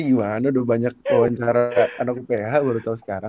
gimana udah banyak kewawancara anak uph baru tau sekarang